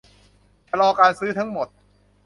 ชะลอการซื้อทั้งหมด